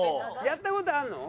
やった事あるの？